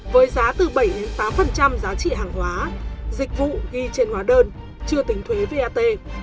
với giá từ bảy tám giá trị hàng hóa dịch vụ ghi trên hóa đơn chưa tính thuế vat